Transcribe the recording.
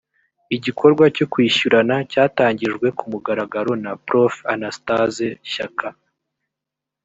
igikorwa cyo kwishyurana cyatangijwe ku mugaragaro na prof anastaze shyaka